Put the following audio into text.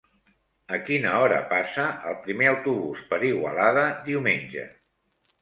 A quina hora passa el primer autobús per Igualada diumenge?